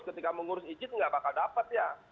ketika mengurus izin tidak akan dapat ya